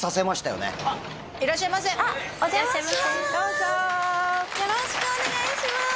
よろしくお願いします